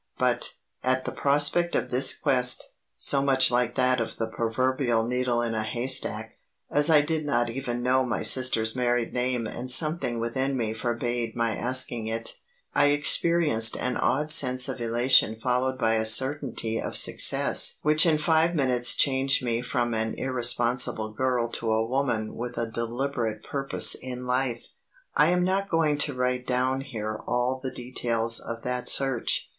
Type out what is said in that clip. But, at the prospect of this quest, so much like that of the proverbial needle in a haystack, as I did not even know my sister's married name and something within me forbade my asking it, I experienced an odd sense of elation followed by a certainty of success which in five minutes changed me from an irresponsible girl to a woman with a deliberate purpose in life. I am not going to write down here all the details of that search.